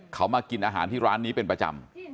เขามากินอาหารที่ร้านนี้เป็นประจำ